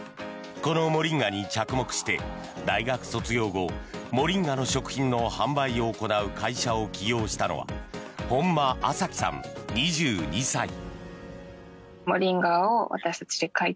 このモリンガに着目して大学卒業後モリンガの食品の販売を行う会社を起業したのは本間有貴さん、２２歳。